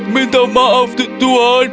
minta maaf tuan